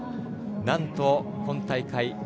何と今大会